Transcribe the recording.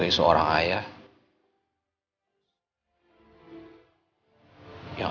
aku kalah houston